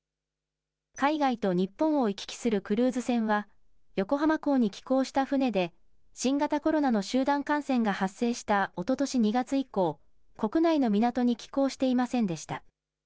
海外と日本を行き来するクルーズ船は横浜港に寄港した船で新型コロナの集団感染が発生したおととし２月以降、国内の港に寄港していませんでした。